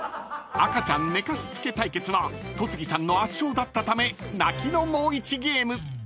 ［赤ちゃん寝かしつけ対決は戸次さんの圧勝だったため泣きのもう１ゲーム］